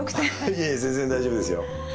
いえいえ全然大丈夫ですよ。